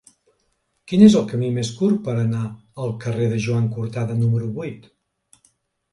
Quin és el camí més curt per anar al carrer de Joan Cortada número vuit?